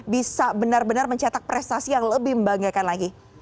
bisa benar benar mencetak prestasi yang lebih membanggakan lagi